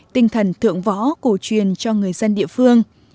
tinh thần thượng võ cổ truyền cho người dân địa phương